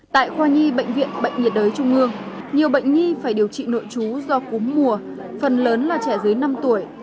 tại khoa nhi bệnh viện bệnh nhiệt đới trung ương nhiều bệnh nhi phải điều trị nội chú do cúm mùa phần lớn là trẻ dưới năm tuổi